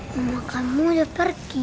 rumah kamu sudah pergi